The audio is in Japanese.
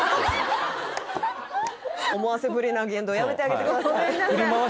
思わせぶりな言動やめてあげてください